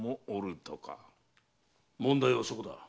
問題はそこだ。